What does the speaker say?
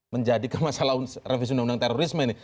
menjadi kemasalahan revisi undang undang terorisme ini